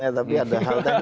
ya tapi ada hal teknis